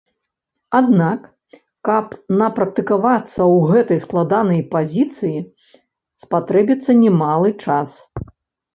Аднак, каб напрактыкавацца ў гэтай складанай пазіцыі, спатрэбіцца немалы час.